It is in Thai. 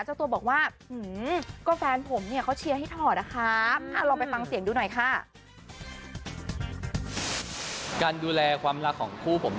เจ้าตัวบอกว่าเฮงก็แฟนผมเนี่ยเขาเชียรให้ถอดนะครับ